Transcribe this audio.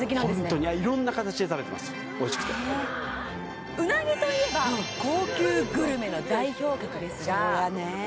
ホントにいろんな形で食べてますおいしくてうなぎといえば高級グルメの代表格ですがそうやね